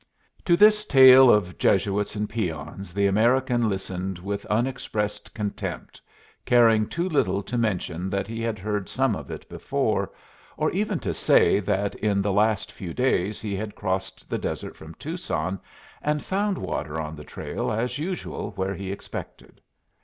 To this tale of Jesuits and peons the American listened with unexpressed contempt, caring too little to mention that he had heard some of it before, or even to say that in the last few days he had crossed the desert from Tucson and found water on the trail as usual where he expected.